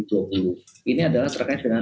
tahun dua ribu dua puluh ini adalah terkait dengan